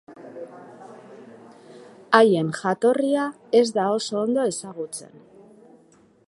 Haien jatorria ez da oso ondo ezagutzen.